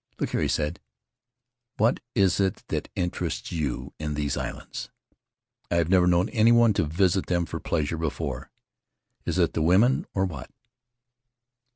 "Look here," he said. "What is it that interests you in these islands? I've never known anyone to visit them for pleasure before. Is it the women, or what?"